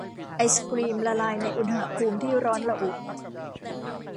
ไอศกรีมละลายในอุณหภูมิที่ร้อนระอุ